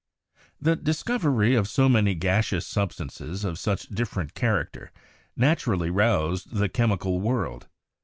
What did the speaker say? The discovery of so many gaseous substances of such different character naturally roused the chemical world.